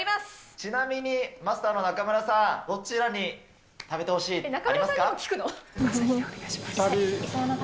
ちなみにマスターの中村さん、どちらに食べてほしい、ありますか？